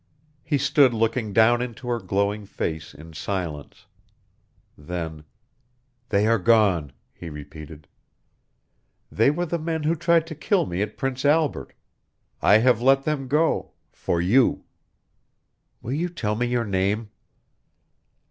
He stood looking down into her glowing face in silence. Then, "They are gone," he repeated. "They were the men who tried to kill me at Prince Albert. I have let them go for you. Will you tell me your name?"